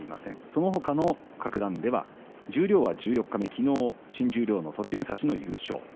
その他の各段では十両は十四日目、昨日新十両の栃武蔵の優勝。